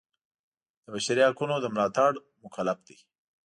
د بشري حقونو د ملاتړ مکلف دی.